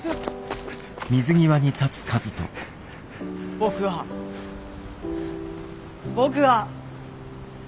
僕は僕は！